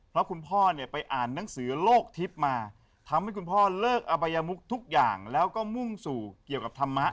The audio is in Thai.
เพราะคุณพ่อเนี่ยไปอ่านหนังสือโลกทิพย์มาทำให้คุณพ่อเลิกอบัยมุกทุกอย่างแล้วก็มุ่งสู่เกี่ยวกับธรรมะ